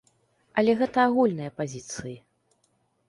Але гэта агульныя пазіцыі.